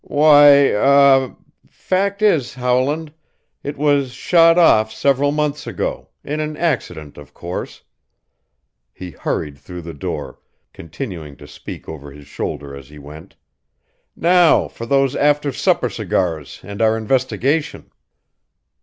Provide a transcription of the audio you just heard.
"Why er fact is, Howland, it was shot off several months ago in an accident, of course." He hurried through the door, continuing to speak over his shoulder as he went, "Now for those after supper cigars and our investigation."